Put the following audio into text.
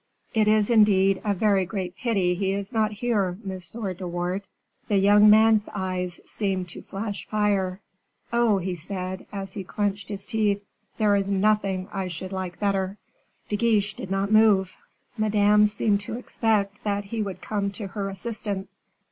It is, indeed, a very great pity he is not here, M. de Wardes." The young man's eyes seemed to flash fire. "Oh!" he said, as he clenched his teeth, "there is nothing I should like better." De Guiche did not move. Madame seemed to expect that he would come to her assistance.